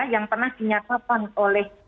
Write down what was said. yang pernah dinyatakan oleh